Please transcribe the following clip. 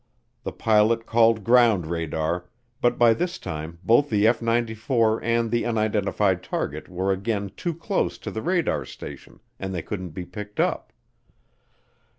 The pilot called ground radar, but by this time both the F 94 and the unidentified target were again too close to the radar station and they couldn't be picked up.